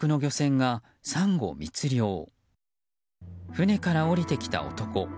船から降りてきた男。